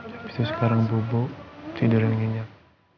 tapi itu sekarang bubuk tidur yang kenyap